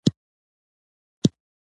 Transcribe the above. د توکوګاوا حکومت سره پیوستون ته وهڅول.